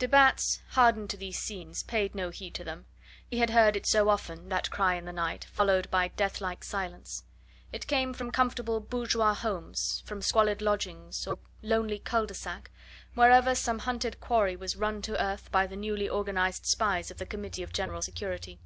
De Batz, hardened to these scenes, paid no heed to them. He had heard it so often, that cry in the night, followed by death like silence; it came from comfortable bourgeois houses, from squalid lodgings, or lonely cul de sac, wherever some hunted quarry was run to earth by the newly organised spies of the Committee of General Security.